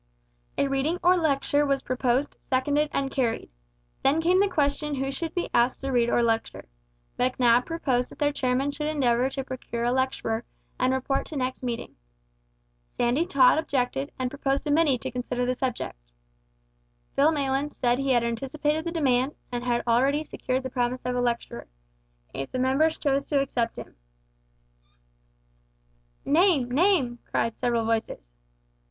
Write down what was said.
A reading or a lecture was proposed, seconded, and carried. Then came the question who should be asked to read or lecture. Macnab proposed that their chairman should endeavour to procure a lecturer, and report to next meeting. Sandy Tod objected, and proposed a committee to consider the subject. Phil Maylands said he had anticipated the demand, and had already secured the promise of a lecturer if the members chose to accept him. "Name! name!" cried several voices.